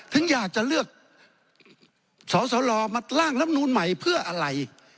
ถึงอยากจะเลือกสสลมาร่างลำนูนใหม่เพื่ออะไร